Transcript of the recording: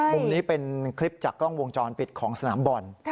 มุมนี้เป็นคลิปจากกล้องวงจรปิดของสนามบอล